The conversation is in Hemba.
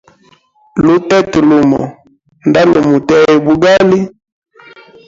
Lutete lumo nda lumutea bugali.